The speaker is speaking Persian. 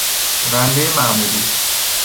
رنده معمولی